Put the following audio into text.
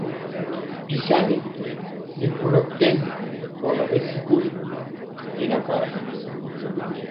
Bisani rikolo kɛndi bɔnɔ bɛ sikoli ne jɛna para.